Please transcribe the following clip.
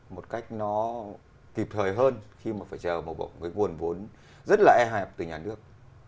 một cách nó kịp thời hơn khi mà phải chờ một bộ cái nguồn vốn rất là e hẹp từ nhà nước